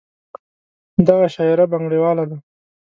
دغه شاعره بنګړیواله ده.